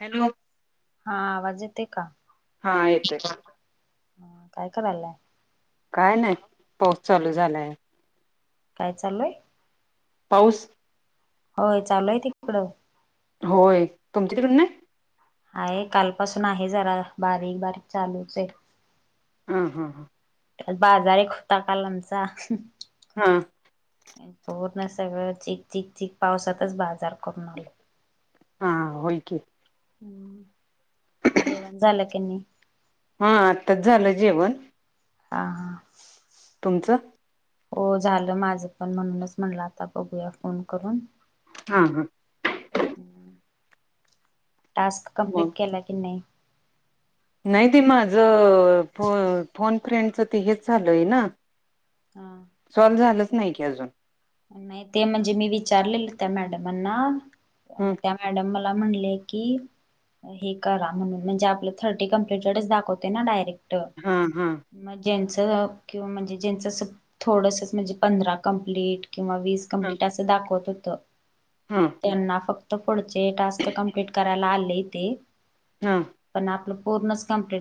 Hello. हा आवाज येतोय का? हां येतोय. ह काय करायलाय? काय नाही पाऊस चालू झालाय. काय चाललय. पाऊस. होय चालू आहे तिकडं? होय तुमची तिकड नाही? आहे कालपासून आहे जरा बारीक बारीक चालूच आहे. हा हा हा. बाजार एक होता काल आमचा. हां. पूर्ण सगळं चीक चीक चीक पावसातच बाजार करून आलो. हा होय की. हम्म जेवण झालं की नाही? हा आत्ताच झालं जेवण. हा हा. तुमचं. हो झालं माझं पण म्हणूनच म्हणलं आता बघूया फोन करून हा हा टास्क मग कंप्लीट केला की नाही? नाही ते माझं अ फो फोन फ्रेंडच ती हेच झालंय ना. हा सॉल्व झालंच नाही कि अजून. नाही ते म्हणजे मी विचारलेलं त्या मॅडमांना, ह मग त्या मॅडम मला मला म्हणले की, हे करा म्हणून म्हणजे आपलं थर्टी कंप्लिटेडच दाखवते ना डायरेक्ट हा हा. मग ज्यांचं किंवा म्हणजे ज्यांचं असं थोडंसंच म्हणजे पंधरा कंप्लीट किंवा वीस हा कंप्लीट असं दाखवत होतं, हा त्यांना फक् पुढचे टास्क कम्प्लीट करायला आलंय ते, हा पण आपलं पूर्णच कमपु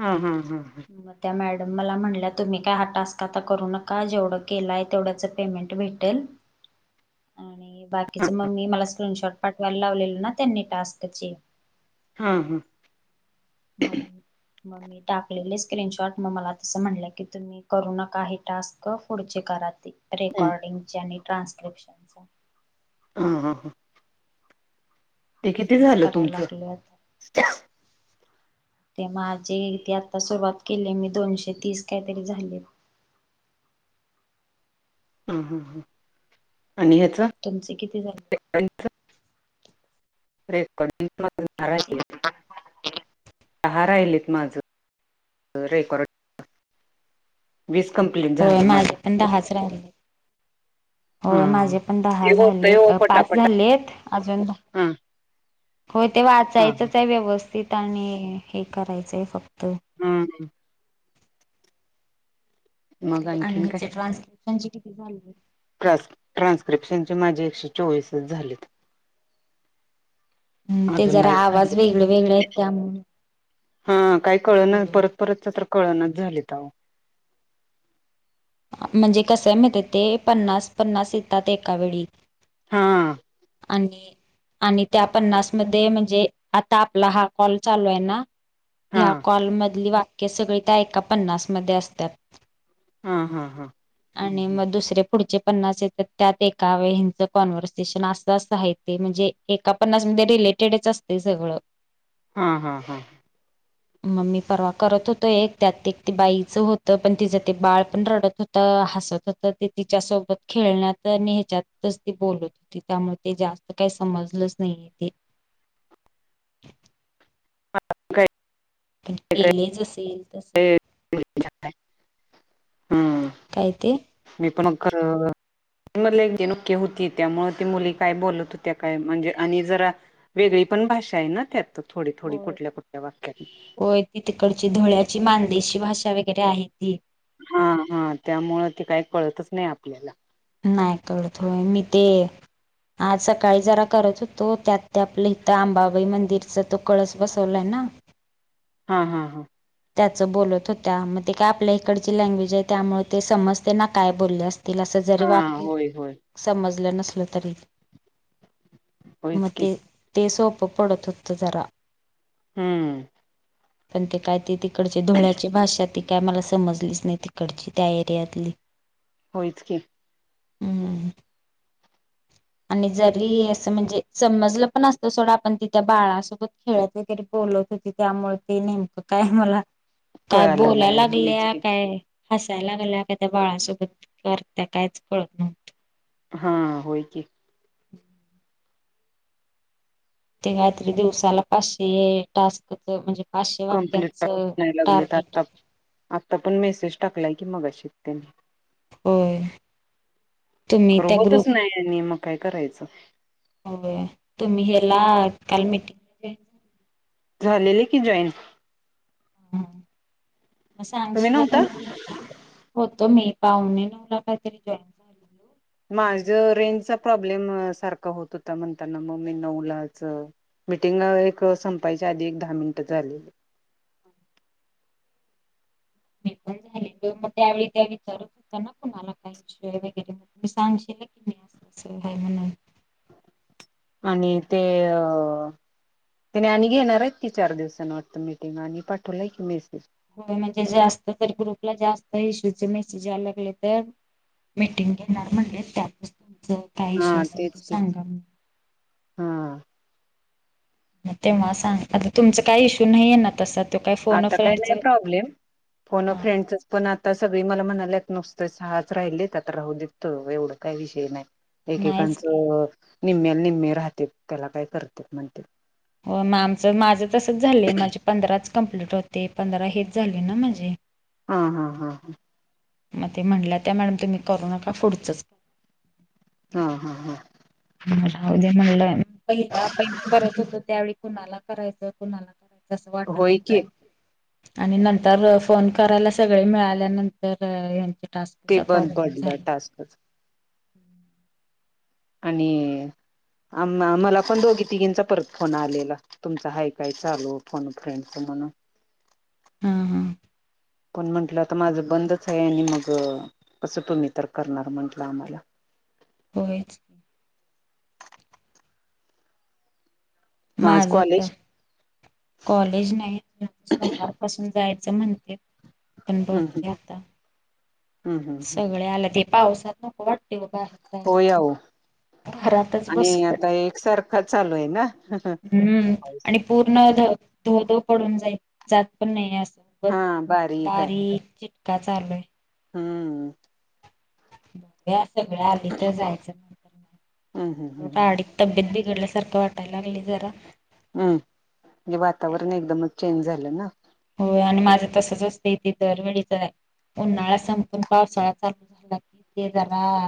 हम्म हम्म हम्म हम्म. मला म्हण तुम्ही काय हा टास्क आता करू नका जेवढं केलाय तेवढंच पेमेंट भेटेल. आणि बाकीच मम्मी मला स्क्रीन शॉट पाठवायला लावलेल ना त्यांनी टास्कचे हा हम्म. मग मग मी टाकलेले स्क्रीनशॉट मग मला तसं म्हटलं की तुम्ही करू ना काही टास्क पुढचे कात हा रेकॉर्डिंग चे आणि ट्रान्स्लिप्शनच. हा हा हा. ते मग किती तेच झालं करायला तुमचं. लागले आता [inaudible] ते माझे, ते आता सुरुवात केली मी दोनशे तीस काहीतरी झाले. [inaudible] हा हा हा आणि ह्याच तुमचे किती झाले [unintelligible] रेकॉर्डिंग [unintelligible] काय ते? दहा राहिलेत माझं रेकॉर्ड वीस कंप्लीट हो झालं माझं माझे पण दहाच राहिले. हा. होय माझे पण ते दहा होतय झालेत ओ अ पाच पटापटा झाले आहेत अजून हा होय ते हा हा. वाचायचंच आहे व्यवस्थित आणि, हे करायचं आहे फक्त हम्म मग आणि आणखीन काय ह्याचे ट्रान्सलेशन किती झाले? ट्रान्स ट्रान्स्क्रिप्शनचे माझे एकशे चोवीसच झालेत. हम् ते अजून जरा नाहीच झाले आवाज वेगळे वेगळे आहेत त्यामु हा काही कळना परत परतच तर कळनाच झालेत आहो. म्हणजे कसंय माहितीये ते, पन्नास पन्नास येतात एका वेळी. हा. आणि आणि त्या पन्नास मध्ये म्हणजे आता आपला हा कॉल चालू आहे ना हा ह्या कॉल मधली वाक्य सगळी त्या एका पन्नासमध्ये असतात. हा हा हा. आणि मग दुसरे पुढचे पन्नास येतात त्यात एका वेळीचं कॉन्व्हर्सेशन असं असं आहे ते, म्हणजे जे एका पन्नास मध्ये रिलेटेडच असते सगळं. हा हा हा. म मी परवा करत होतो एक त्यात एक ते बाईचं होतं, पण तिचं ते बाळ पण रडत होत त हसत होतं ते तिच्या सोबत, खेळण्यात अन ह्याच्यातच ती बोलत होती त्यामुळे ते जा त काही समजलंच नाही ते. हा काय? पण काय केलंय जस येईल तसं. हम् काय ते मी पण कर अ मधले [unintelligible] होती, त्यामुळे ती मुली काय बोलत होत्या काय म्हणजे आणि जरा वेगळी पण भाषा आहे ना त्यात. थोडी थोडी होय कुठल्या कुठल्या वाक्यात होय ती तिकडची धळ्याची मान देशी भाषा वगैरे आहे ती हा हा त्यामुं ते काही कळतच नाही आपल्याला नाही करळतोय मी ते आज सकाळी जरा करत होतो त्यात ते आपलं इथं आंबाबाई मंदिरचा तो कळस बसवलाय ना [inaudible] हा हा हा त्याचं बोलत होत्या मग ते काय आपल्या इकडची लँग्वेज आहे त्यामुळे ते समजतेना काय बोलले असते तिला असं जरी हा वाक्य, होय होय समजलं नसलं तरी म होयच की ते, ते सोपं पडत होतं जरा. हम्म पण ते काय ते तिकडचे धुळ्याची भाषा ती काय मला समजलीच नाही तिकडची, त्या एरियातली. होयच की? हम्म. आणि जरी, असं म्हणजे समजलं पण असतं सोडा पण ती त्या बाळासोबत खेळत वगैरे बोलत होती त्यामुळे ते नेमकं काय मला, काय कळालं बोलाय नाही होयच लागल्या की काय हसायला गल्या का त्या बाळसोबत कर त्या कायच कळत नव्हत हा होय क हम् ते कात्री दिवसाला पाचशे टास्क म्हणजे पाचशे कंप्लीट वाक्यांचं नाही लागले आ टार्गेट आता पण मेसेज टाकलाय की मग अ शतेने हो तुम्ही खरं त्या होतच ग्रुप नाही आणि मग काय करायचं तुम्ही हे कलमट झालेले की जॉईन म तुम्ही सांगशला क नव्हता मी तू हो तो मे पावणे नऊ ला काहीतरी जॉईन झाले माझ रेंजचा प्रॉब्लेम सारखा होत होता म्हणताना मग मी नवलाचं मीटिंग एक संपायच्या आधी एक दहा मिनिट झालेली हम् बकुल ह मग त्यावेळी त्या विचारत होत ना कुणाला काहीनॉय वगैरे म तुमही सांगशील की मी सभय म्हणा आणि ते अ त्याने आणि घेणार आहेत ती चार दिवसांना वाटत मटंग आणि पाठवलंय की मेसेज हो म्हणजे जास्त तर ग्रुपला जास्त इश्यूचे मेसेज आलागले तर मीटिंग घेणार म्हणजे त्यात ज काय विश्वा हा असेल तो तेच की सांगा म हा तेव्हा सांग आता तुमच काय इशू नाहीये ना तस आता काही नाही प्रॉब्लेम पण हा फ्रेंडच पण आता स त मला म्हणाला नुसतं सहाच राहिले आता राहू देत एवढं काही विषय नाही नाहीच की एकेकांचं निम्म्याला निम्मे राहते त्याला काय करते म्हणते होग आमचं माझं तसच झालंय माझे पंधराच कं्प्लीट होते पंधरा हेच झाले ना म्हजे हा हा हा हा मग ते म्हणलं त्या मॅडम तुम्ही करू नका पुढचच हा हा हा मलाद्या म्हणलंय पहिला पहि करत होतो त्यावेळी कुणाला करायचं कुणाला करायचं कसं होय वाटतुच की आणि नंतर फोन करायला सगळे मिळाल्यानंतर यांचे टास् ते बंद प्रॉब्लेम पडलं झाला टास्कच आणि आ मला पण दोघी तिघींचा परत फोन आलेला तुमचा हा काय चालू फण फ्रेंडच म्हणून हा हा पण म्हंटलं आता माझं बंदच आहे. आणि मग कसं तुम्ही तर करणार म्हंटलं आम्हाला. होयच म आज माझ तर कॉलेज कॉलेज नाही सोमवारपासून जायच म्हणते पण हम्म हम्म बघ आता हम्म हम्म हम्म सगळे आलं ते पावसात नाक वाटते बघहेर होय अहो जायला घरातच आणि बसतात आता एकसारखा चालू आहे ना हम्म आणि पूर्ण धो धो पडून जाय जात पण नाही अस सोबत हा आहे बारीक च काय चाललंय हम्म [inaudible] सगळ आली तर हम्म हम्म जायचंट हम्म अडी तब्येत बिघडल्या सर्क वाटायला अल् जरा हम्म म्हणजे वातावरण एकदमच चेंज झालं ना हो आणि माझं तसच असतं इथे तर वेळीचं आहे उन्हाळा संपून पावसाळा चालू झाला कि ते जरा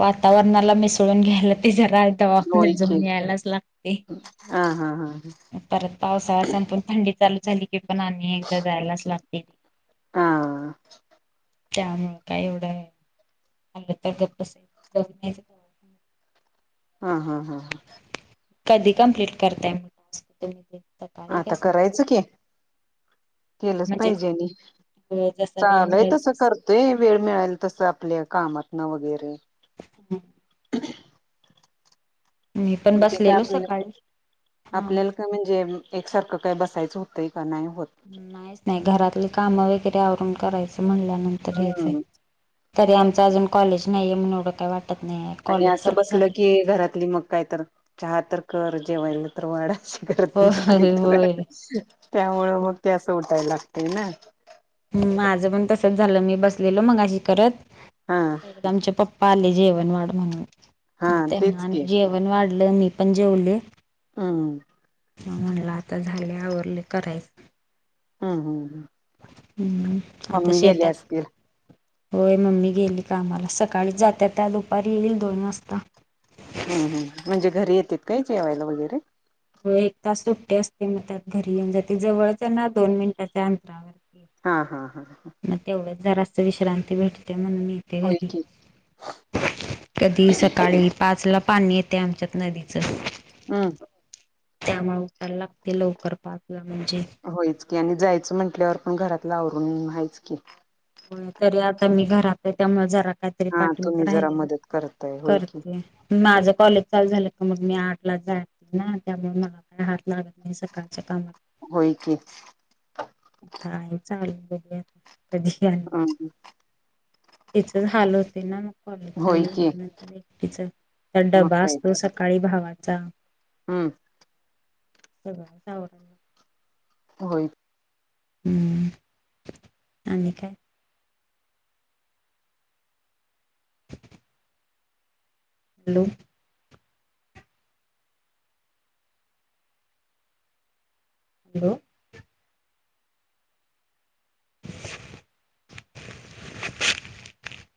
वातावरणाला मिसळून घ्यायला ति ज रायता वाद होय की झोनी यायलाच लागते हा हा हा परत पावसाळा संपून थंडी चालू झाली की पण आणि् एकदा जायलाच लागते ती हा म काय एवढं आहे आ ग [unintelligible] हा हा हा. कधी कंप्लीट करताय. म [unintelligible] तुम्ही सकाळी काय आता सजा करायचं की केलंच पाहिजे आणि जसा वेळ चालय मिळेल तसं तस करतोय वेळ मिळाल तसं आपल्या कामात न, वगैरे मी पण म्हणजे काय बसलेलो आपल्या, सकाळी हा. आपल्याला काय म्हणजे एकसारखं काय बसायचं होतंय? का नाही होत नाहीच नाही घरातली कामं वगैरे, आवरून करायचं म्हणल्यानंतर हेच आहे. हम्म तरी आमच अज कॉलेज नाहीये म्हून एवढं काय वाटत नाही आणि कॉलेज असं चालू बसलं झालं की घरातली मग काय तर चहा तर कर जेवायला तर वाढ. करते होय काहीत होय त्यामु मग ते असं उटायला लागते ना, [unintelligible] ह माझं पण तसच झालं मी बसलेलो. मग अशी हा करत आमचे पप्पा आले जेवण वाढ, हा म्हणून त्यांना तेच की आनी जेवण वाढ, लं मीपन जेवल. हम्म. म्हणला आता झाले आवरले करायच हम्म हम्म. हम्म. आता मम्मी गेले शेतात असतील. होय मम्मी गेली कामाला सकाळी, जाते त्या दुपारी येईल दोन वाजता. कितकय जेवायला वगैरे हो एक तास सुट्टी असते मग त्यात घरी येऊन जाती जवळच ना, दोन मिनिटाच्या अंतरावर. हा हा हा. मग तेवढंच जरास विश्रांती होय भेटते. की [unintelligible] त ती सकाळी पाय ला पाणी येते आमच्यात नदीचं. हम्म. त्यामुळे उठायला लागते लवकर पाच ला. म्हणजे होयच की आणि जायचं म्हटल्यावर पण घरात लावरून व्हायच की. तरी आता मी घरात आहे त्यामुळे जरा. काहीतरी हा पाठी तुम्ही जरा राहिलेलं मदत करताय होय की करते. माझं कॉलेज चालू झालं का मग मी आठ लाच जाय ना, त्यामुळे मला काय हात लागत नाही सकाळ [unintelligible] होय की का आता च ब कधीच हम्म. त्याच हाल होते ना, म. कॉलेज होय चालू की झाल्यानंतर एक टीचरचा, मग डबा काय असतो तर सकाळी भावाचा. हम्म. [inaudible] होय. हम्म आणि काय. [inaudible] हॅलो. हॅलो. [inaudible]